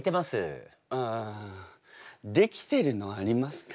出来てるのありますか？